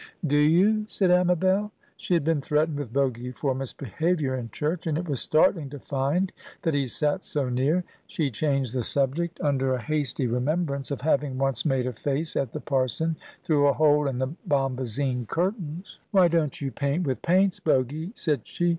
"Do you?" said Amabel. She had been threatened with Bogy for misbehavior in church, and it was startling to find that he sat so near. She changed the subject, under a hasty remembrance of having once made a face at the parson through a hole in the bombazine curtains. "Why don't you paint with paints, Bogy?" said she.